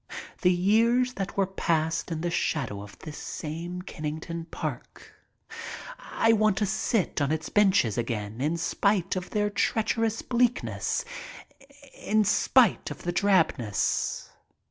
The years that were passed in the shadow of this same Kennington Park. T want to sit on its benches again in spite of their treacherous bleakness, in spite of the drabness.